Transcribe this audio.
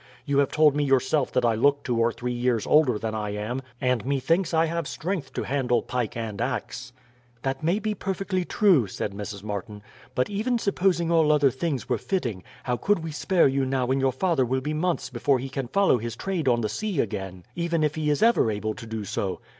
You have told me yourself that I look two or three years older than I am, and methinks I have strength to handle pike and axe." "That may be perfectly true," said Mrs. Martin, "but even supposing all other things were fitting, how could we spare you now when your father will be months before he can follow his trade on the sea again, even if he is ever able to do so?"